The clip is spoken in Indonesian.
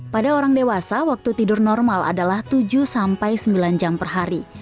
pada orang dewasa waktu tidur normal adalah tujuh sampai sembilan jam per hari